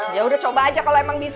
ya udah coba aja kalau emang bisa